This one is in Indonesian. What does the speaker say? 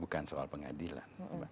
bukan soal pengadilan